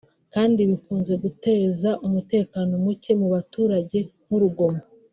kandi bikunze guteza umutekano muke mu baturage nk’urugomo